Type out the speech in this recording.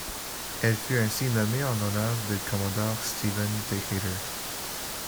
Elle fut ainsi nommée en l'honneur du Commodore Stephen Decatur.